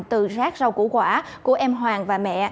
từ rác rau củ quả của em hoàng và mẹ